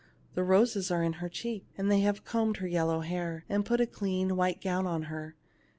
The roses are in her cheeks, and they have combed her yel low hair, and put a clean white gown on her.